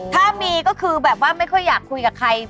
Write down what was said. ถ้ามีก็คือแบบว่าไม่ค่อยอยากคุยกับใคร